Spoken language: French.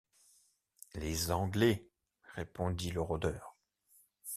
Les anglais, répondit le rôdeur.